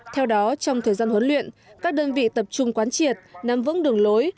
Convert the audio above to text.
theo đó trong thời gian huấn luyện các đơn vị tập trung quán triệt nắm vững đường lối